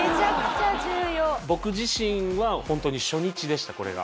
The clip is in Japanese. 僕自身はホントに初日でしたこれが。